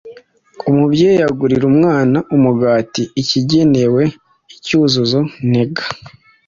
Umubyeyi agurira umwana umugati (ikigenewe icyuzuzo ntega)